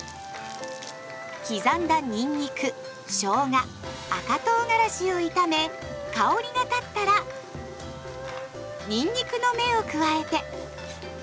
刻んだにんにくしょうが赤とうがらしを炒め香りが立ったらにんにくの芽を加えて。